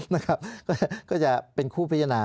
นะครับก็จะเป็นคู่พิจารณา